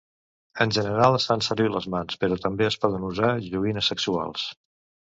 En general es fan servir les mans, però també es poden usar joguines sexuals.